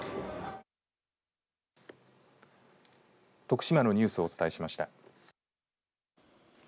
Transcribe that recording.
徳島のニュースをお伝えしました。